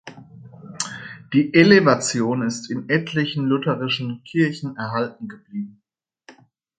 Die Elevation ist in etlichen lutherischen Kirchen erhalten geblieben.